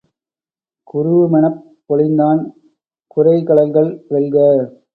குருவுமெனப் பொலிந்தான் குரைகழல்கள் வெல்க!